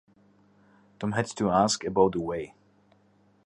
Tom had to ask about the way.